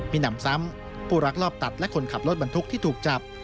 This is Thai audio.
มีหนำซ้ำผู้รักรอบตัดและคนขับรถบรรทุกที่ถูกจับ